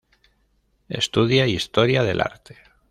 Estudia Historia del Arte.